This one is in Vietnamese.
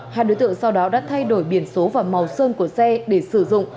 hai đối tượng sau đó đã thay đổi biển số và màu sơn của xe để sử dụng